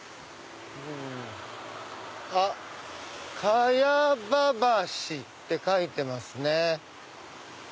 あっ「茅場橋」って書いてますね。